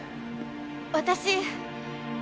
私！